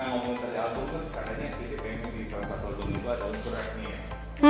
tidak dipengen di perusahaan album lu buat untuk rap nih ya